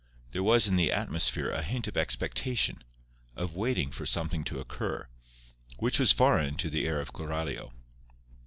There was in the atmosphere a hint of expectation, of waiting for something to occur, which was foreign to the air of Coralio.